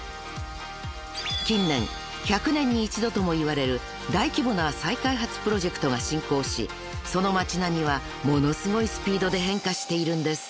［近年１００年に１度ともいわれる大規模な再開発プロジェクトが進行しその街並みはものすごいスピードで変化しているんです］